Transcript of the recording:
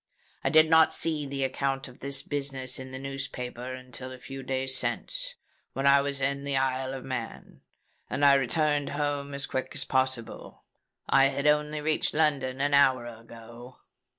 I did not see the account of this business in the newspapers until a few days since, when I was in the Isle of Man; and I returned home as quick as possible. I only reached London an hour ago."